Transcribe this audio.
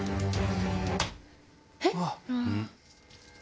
えっ？